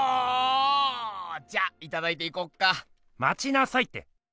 じゃいただいていこっか。まちなさいって！